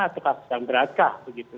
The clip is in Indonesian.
atau kasus yang beratkah